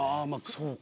そうか。